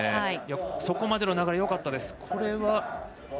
そこまでの流れはよかったです。